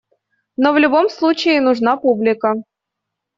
Но в любом случае нужна публика.